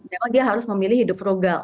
memang dia harus memilih hidup frugal